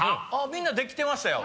みんなできてましたよ。